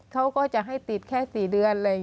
เขาก็จะให้ติดแค่๔เดือน